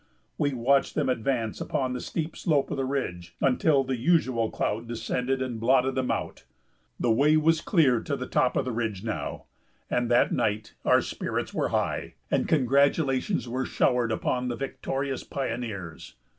We watched them advance upon the steep slope of the ridge until the usual cloud descended and blotted them out. The way was clear to the top of the ridge now, and that night our spirits were high, and congratulations were showered upon the victorious pioneers.